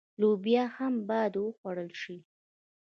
لوبیا هم باید وخوړل شي.